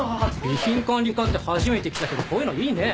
備品管理課って初めて来たけどこういうのいいね。